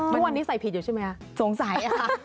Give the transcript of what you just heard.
ตอนนี้ใส่ผิดอยู่ใช่มั้ยสงสัย